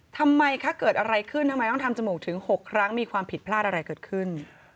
ทำไมคะเกิดอะไรขึ้นทำไมต้องทำจมูกถึง๖ครั้งมีความผิดพลาดอะไรเกิดขึ้น